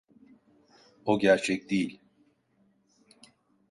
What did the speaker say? O gerçek değil.